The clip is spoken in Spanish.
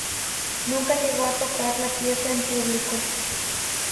Nunca llegó a tocar la pieza en público.